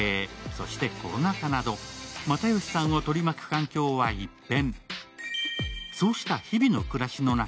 そしてコロナ禍など、又吉さんを取り巻く環境は一変。